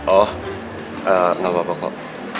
oh enggak apa apa kok